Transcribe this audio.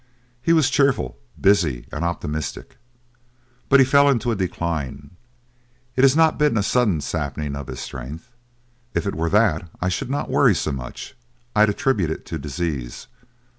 He was cheerful, busy, and optimistic. But he fell into a decline. It has not been a sudden sapping of his strength. If it were that I should not worry so much; I'd attribute it to disease.